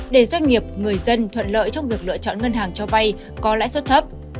để doanh nghiệp người dân thuận lợi trong việc lựa chọn ngân hàng cho vay có lãi suất thấp